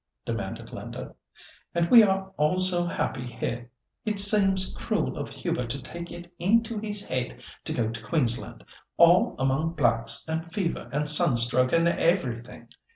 demanded Linda. "And we are all so happy here! It seems cruel of Hubert to take it into his head to go to Queensland—all among blacks, and fever, and sunstroke, and everything."